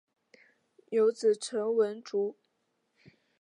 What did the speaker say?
有子陈文烛。